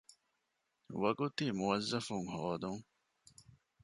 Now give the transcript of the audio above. ވަގުތީ މުވައްޒަފުން ހޯދުން